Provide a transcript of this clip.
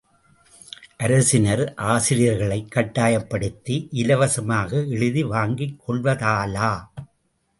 அரசினர், ஆசிரியர்களைக் கட்டாயப்படுத்தி இலவசமாக எழுதி வாங்கிக் கொள்வதாலா?